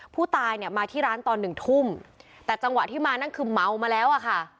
ผู้ตายเนี่ยมาที่ร้านตอนหนึ่งทุ่มแต่จังหวะที่มานั่นคือเมามาแล้วอะค่ะ